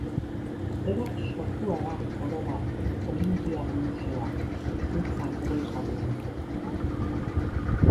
Berak sortua da, orobat, Olinpiar Museoa, Suitzan egoitza duena.